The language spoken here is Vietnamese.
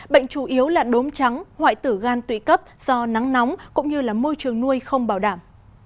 bệnh chủ yếu là đốm trắng hoại tử gan tụy cấp do nắng nóng cũng như là môi trường nuôi không bảo đảm